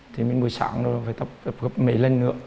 thì mình buổi sáng nó phải tập gấp mấy lần nữa